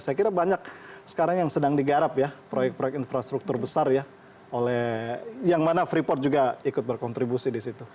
saya kira banyak sekarang yang sedang digarap ya proyek proyek infrastruktur besar ya oleh yang mana freeport juga ikut berkontribusi di situ